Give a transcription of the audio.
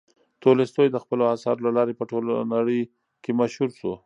تولستوی د خپلو اثارو له لارې په ټوله نړۍ کې مشهور شو.